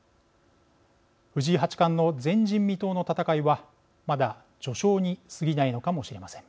藤井八冠の前人未到の戦いはまだ序章にすぎないのかもしれません。